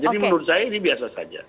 jadi menurut saya ini biasa saja